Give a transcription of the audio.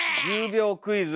１０秒クイズ。